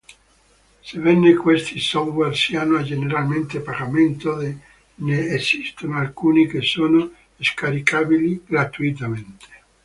Sebbene questi software siano a generalmente pagamento, ne esistono alcuni che sono scaricabili gratuitamente.